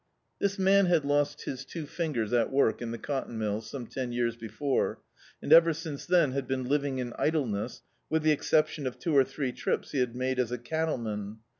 This man had lost his two fingers at work in the cotton mills, some ten years before, and ever since dien had been living in idleness, with the exception of two or three trips he had made as a cattleman.